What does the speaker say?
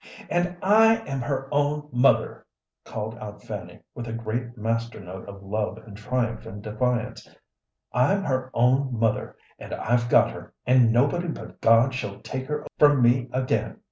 "And I am her own mother!" called out Fanny, with a great master note of love and triumph and defiance. "I'm her own mother, and I've got her, and nobody but God shall take her from me again."